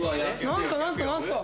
何すか？